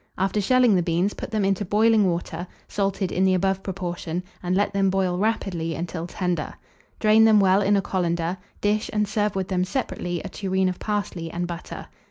After shelling the beans, put them into boiling water, salted in the above proportion, and let them boil rapidly until tender. Drain them well in a colander; dish, and serve with them separately a tureen of parsley and butter.